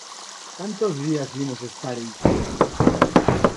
_¿Cantos días imos estar eiquí?